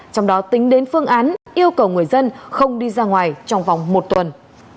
trong đó tính đến phương án yêu cầu người dân không đi ra ngoài trong vòng một tuần